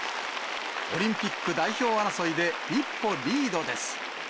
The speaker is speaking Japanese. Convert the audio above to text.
オリンピック代表争いで、一歩リードです。